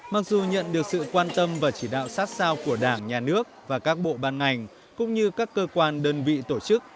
mặc dù nhận được sự quan tâm và chỉ đạo sát sao của đảng nhà nước và các bộ ban ngành cũng như các cơ quan đơn vị tổ chức